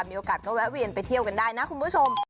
มีโอกาสก็แวะเวียนไปเที่ยวกันได้นะคุณผู้ชม